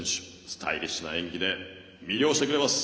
スタイリッシュな演技で魅了してくれます。